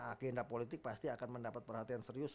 agenda politik pasti akan mendapat perhatian serius